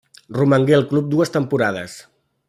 Romangué al club dues temporades.